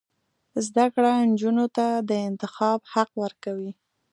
زده کړه نجونو ته د انتخاب حق ورکوي.